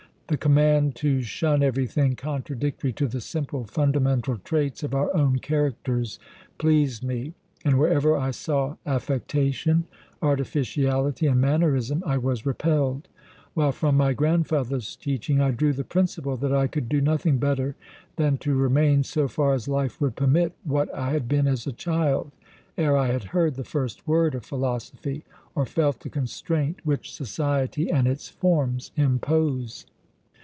The command to shun everything contradictory to the simple fundamental traits of our own characters pleased me, and wherever I saw affectation, artificiality, and mannerism I was repelled, while from my grandfather's teaching I drew the principle that I could do nothing better than to remain, so far as life would permit, what I had been as a child ere I had heard the first word of philosophy, or felt the constraint which society and its forms impose."